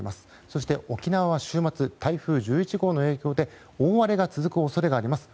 そして沖縄は週末、台風１１号の影響で大荒れが続く恐れがあります。